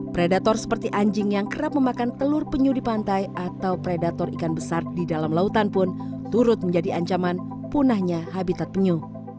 predator seperti anjing yang kerap memakan telur penyu di pantai atau predator ikan besar di dalam lautan pun turut menjadi ancaman punahnya habitat penyu